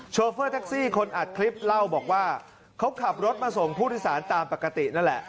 โฟเฟอร์แท็กซี่คนอัดคลิปเล่าบอกว่าเขาขับรถมาส่งผู้โดยสารตามปกตินั่นแหละ